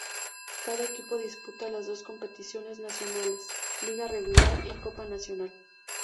Cada equipo disputa las dos competiciones nacionales, liga regular y copa nacional.